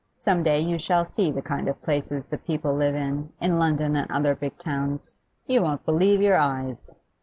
Some day you shall see the kind of places the people live in, in London and other big towns. You won't believe your eyes.